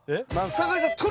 酒井さん鳥！